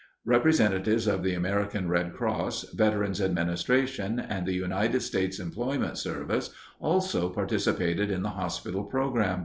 Representatives of the American Red Cross, Veterans' Administration, and the United States Employment Service also participated in the hospital program.